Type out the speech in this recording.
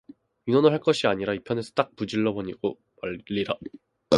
의논을 할 것이 아니라 이편에서 딱 무질러 버리고 말리라.